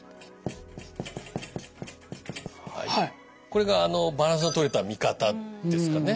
これがバランスのとれた見方ですかね。